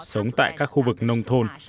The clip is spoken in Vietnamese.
sống tại các khu vực nông thôn